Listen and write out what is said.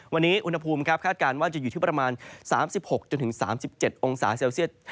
วันนี้อุณหภูมิคาดการณ์ว่าจะอยู่ที่ประมาณ๓๖๓๗องศาเซลเซียต